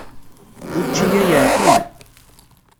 Učči-ya yeεfen.